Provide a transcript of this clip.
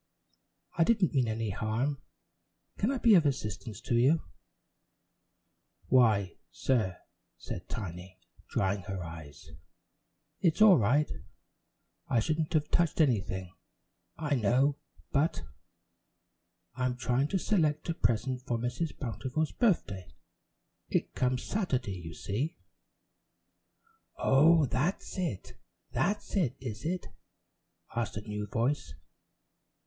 "I didn't mean any harm. Can I be of assistance to you?" "Why, sir," said Tiny, drying her eyes, "it's all right I shouldn't have touched anything, I know, but I'm trying to select a present for Mrs. Bountiful's birthday. It comes Saturday, you see " "Oh, that's it, that's it, is it?" asked a new voice.